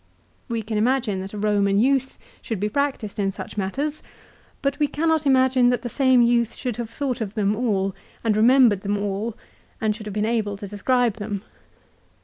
We can imagine that a Eoman youth should be practised in such matters, but we cannot imagine that the same youth should have thought of them all, and remembered them all, and should have been able to describe them.